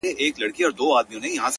نه مي علم نه دولت سي ستنولای٫